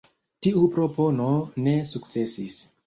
Tiu propono ne sukcesis.